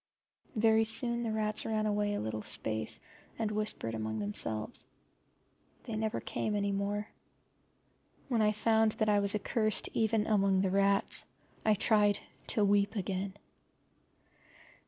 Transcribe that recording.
Very soon the rats ran away a little space and whispered among themselves. They never came any more. When I found that I was accursed even among the rats I tried to weep again.